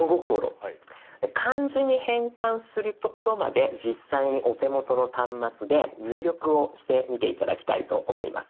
漢字に変換するところまで実際にお手元の端末で入力をしてみて頂きたいと思います。